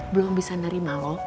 belum bisa nerima lo